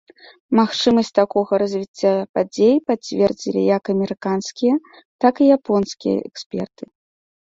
Магчымасць такога развіцця падзей пацвердзілі як амерыканскія, так і японскія эксперты.